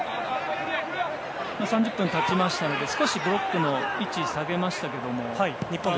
３０分経ちましたので少しブロックの位置を下げましたけれども。